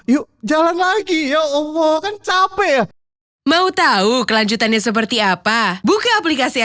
yuk jalan lagi